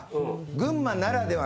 群馬ならでは？